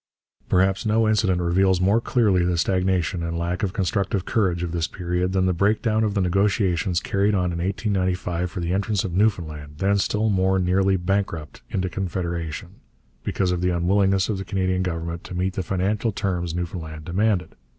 Perhaps no incident reveals more clearly the stagnation and lack of constructive courage of this period than the break down of the negotiations carried on in 1895 for the entrance of Newfoundland, then still more nearly bankrupt, into Confederation, because of the unwillingness of the Canadian Government to meet the financial terms Newfoundland demanded.